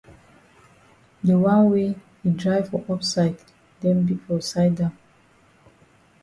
De wan wey yi dry for up side den big for side down.